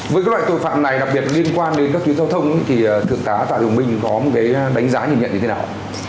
với các loại tội phạm này đặc biệt liên quan đến các tuyến giao thông thì thượng tá tà thường minh có một cái đánh giá nhìn nhận như thế nào